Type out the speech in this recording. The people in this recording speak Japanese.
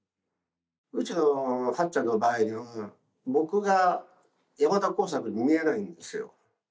うちのはっちゃんの場合には僕が山田耕作に見えないんですよ。